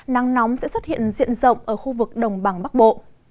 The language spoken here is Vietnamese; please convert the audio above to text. nắng nóng sẽ xuất hiện diện rộng ở khu vực đồng bằng bắc bộ